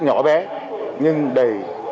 nhỏ bé nhưng đầy